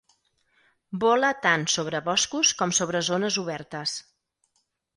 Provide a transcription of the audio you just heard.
Vola tant sobre boscos com sobre zones obertes.